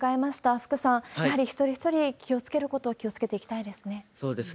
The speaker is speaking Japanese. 福さん、やはり一人一人、気をつけることは気をつけていきたいですね。